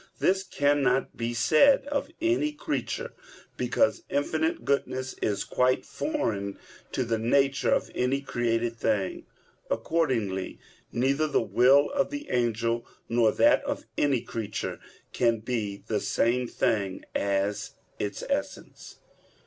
This cannot be said of any creature, because infinite goodness is quite foreign to the nature of any created thing. Accordingly, neither the will of the angel, nor that of any creature, can be the same thing as its essence.